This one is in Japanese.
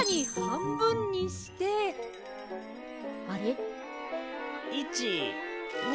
あれ？